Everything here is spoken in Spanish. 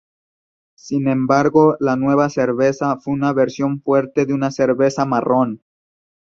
Sin embargo la nueva cerveza, fue una versión fuerte de una cerveza marrón.